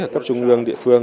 cấp trung ương địa phương